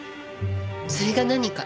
それが何か？